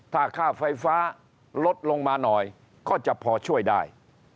ถ้าค่าไฟฟ้าลดลงมาหน่อยก็จะพอช่วยได้